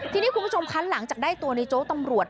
ทีนี้คุณผู้ชมคะหลังจากได้ตัวในโจ๊กตำรวจ